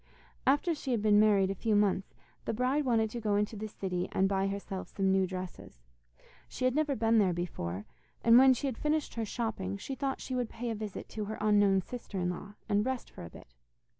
After she had been married a few months the bride wanted to go into the city and buy herself some new dresses. She had never been there before, and when she had finished her shopping, she thought she would pay a visit to her unknown sister in law, and rest for a bit.